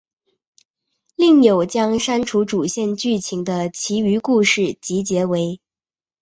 另有将删除主线剧情的其余故事集结为。